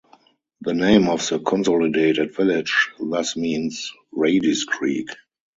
The name of the consolidated village, thus means "Radi's Creek".